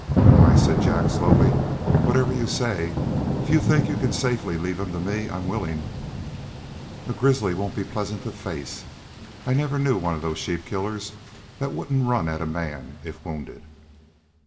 "Why " said Jack, slowly, "whatever you say. If you think you can safely leave him to me I'm willing." "A grizzly won't be pleasant to face. I never knew one of those sheep killers that wouldn't run at a man, if wounded."